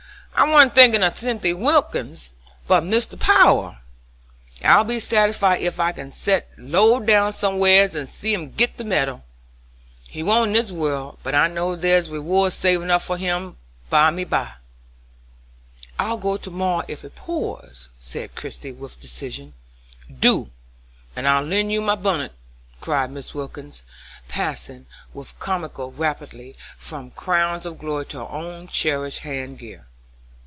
I warn't thinking of Cynthy Wilkins, but Mr. Power. I'll be satisfied ef I can set low down somewheres and see him git the meddle. He won't in this world, but I know there's rewards savin' up for him byme by." "I'll go to morrow if it pours!" said Christie, with decision. "Do, and I'll lend you my bunnit," cried Mrs. Wilkins, passing, with comical rapidity, from crowns of glory to her own cherished head gear.